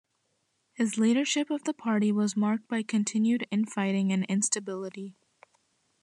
His leadership of the party was marked by continued infighting and instability.